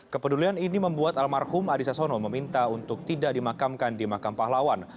kepedulian ini membuat almarhum adi sasono meminta untuk tidak dimakamkan di makam pahlawan